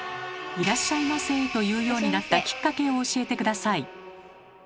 「いらっしゃいませ」と言うようになったきっかけを教えて下さい。